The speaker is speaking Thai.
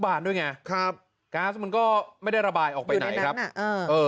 บานด้วยไงครับมันก็ไม่ได้ระบายออกไปไหนครับอยู่ในนั้นอ่ะเออ